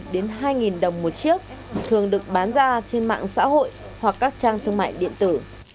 đến hai đồng một chiếc thường được bán ra trên mạng xã hội hoặc các trang thương mại điện tử